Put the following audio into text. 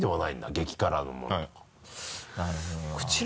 激辛のものとか。